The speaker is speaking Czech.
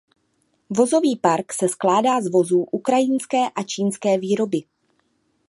Vozový park se skládá z vozů ukrajinské a čínské výroby.